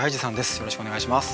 よろしくお願いします。